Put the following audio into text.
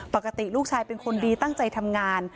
ปกติลูกชายเป็นคนดีตั้งใจทำงาน